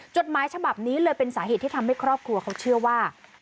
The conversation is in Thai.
จดหมายฉบับนี้เลยเป็นสาเหตุที่ทำให้ครอบครัวเขาเชื่อว่า